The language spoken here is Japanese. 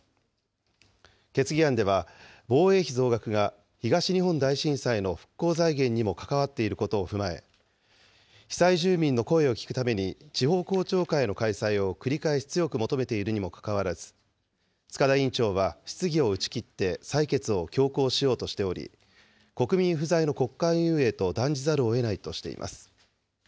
決議案では防衛費増額が東日本大震災の復興財源にも関わっていることを踏まえ、被災住民の声を聞くために地方公聴会の開催を繰り返し強く求めているにもかかわらず、塚田委員長は質疑を打ち切って採決を強行しようとしており、国民不在の国会運営と断じざるをえないとしています。